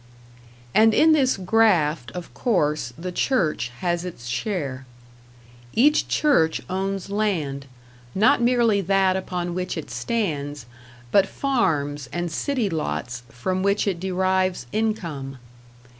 And in this graft, of course, the church has its share. Each church owns land not merely that upon which it stands, but farms and city lots from which it derives income.